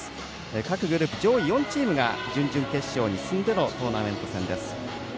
各グループ上位４チームが準々決勝に進んでのトーナメント戦です。